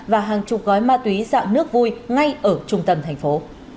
và hàng chục gói ma túy dạo nước vui ngay ở trung tầm thành phố